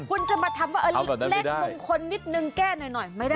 คุณจะมาทำว่าอันเล็กมงคลนิดนึงแก้หน่อยไม่ได้